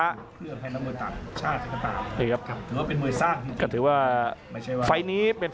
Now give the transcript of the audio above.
อัศวินาศาสตร์